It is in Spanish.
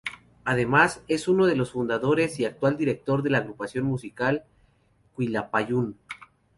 Además, es uno de los fundadores y actual director de la agrupación musical Quilapayún.